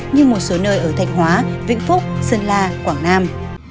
như một số nơi ở thanh hóa vĩnh phúc sơn la quảng nam